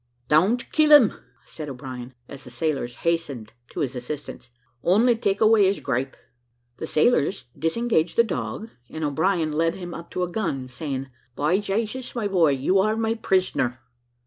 "Don't kill him," said O'Brien, as the sailors hastened to his assistance; "only take away his gripe." The sailors disengaged the dog, and O'Brien led him up to a gun, saying, "By Jasus, my boy, you are my prisoner."